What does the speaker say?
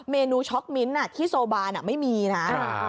เมนูช็อกมิ้นท์ที่โซบานไม่มีนะ